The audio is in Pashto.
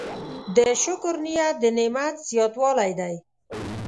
د شکر نیت د نعمت زیاتوالی دی.